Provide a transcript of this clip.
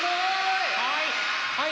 はい！